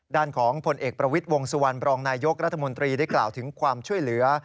ด้านของผลเอกประวิทย์วงสุวรรณบรองนายยกรัฐมนตรีได้กล่าวถึงความช่วยเหลือ